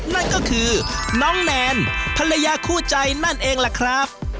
นั่นก็คือน้องแนนภรรยาคู่ใจนั่นเองล่ะครับ